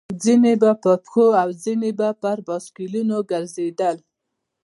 ځينې به په پښو او ځينې پر بایسکلونو ګرځېدل.